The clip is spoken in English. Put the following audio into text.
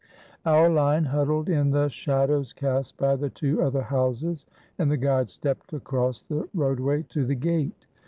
Our line huddled in the shadows cast by the two other houses, and the guide stepped across the roadway to the gate.